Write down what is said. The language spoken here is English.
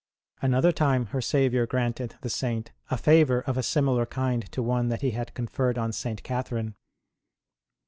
1 Another time her Saviour granted the Saint a favour of a similar kind to one that He had con ferred on St. Catherine.